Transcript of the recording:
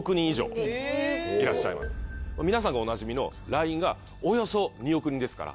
皆さんがおなじみのＬＩＮＥがおよそ２億人ですから。